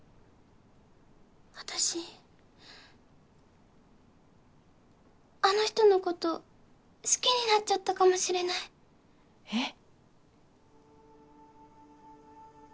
私あの人のこと好きになっちゃったかもしれないえっ？